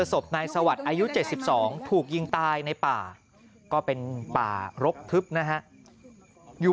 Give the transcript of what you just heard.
ศพนายสวัสดิ์อายุ๗๒ถูกยิงตายในป่าก็เป็นป่ารกทึบนะฮะอยู่